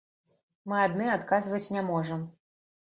Мы адны адказваць не можам.